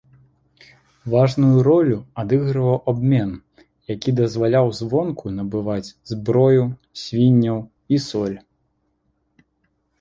Важную ролю адыгрываў абмен, які дазваляў звонку набываць зброю, свінняў і соль.